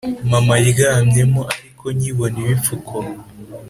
mama aryamyemo ariko nkibona ibipfuko